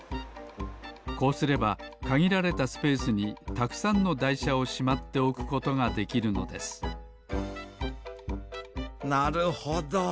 こうすればかぎられたスペースにたくさんのだいしゃをしまっておくことができるのですなるほど。